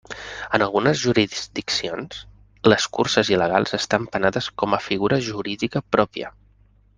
En algunes jurisdiccions, les curses il·legals estan penades com a figura jurídica pròpia.